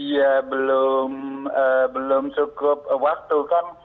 ya belum cukup waktu kan